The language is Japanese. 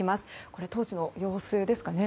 これは当時の様子ですかね。